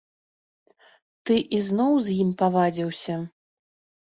Ты ізноў з ім павадзіўся?